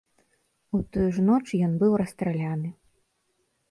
У тую ж ноч ён быў расстраляны.